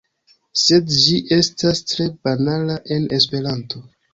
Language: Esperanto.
Sed ĝi estas tre banala en Esperanto.